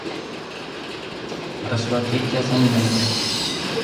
私はケーキ屋さんになりたい